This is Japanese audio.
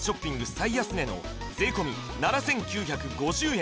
最安値の税込７９５０円